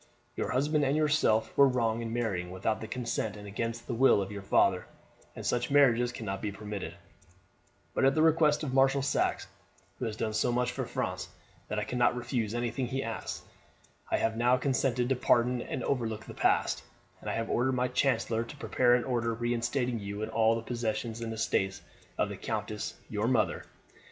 Your husband and yourself were wrong in marrying without the consent and against the will of your father, and such marriages cannot be permitted; but at the request of Marshal Saxe, who has done so much for France that I cannot refuse anything he asks, I have now consented to pardon and overlook the past, and have ordered my chancellor to prepare an order reinstating you in all the possessions and estates of the countess, your mother.